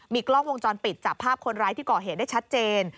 กล้องวงจรปิดจับภาพคนร้ายที่ก่อเหตุได้ชัดเจน